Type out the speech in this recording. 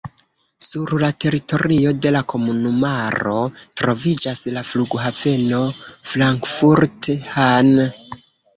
Sur la teritorio de la komunumaro troviĝas la flughaveno Frankfurt-Hahn.